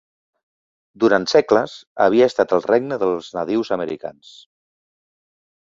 Durant segles, havia estat el regne dels nadius americans.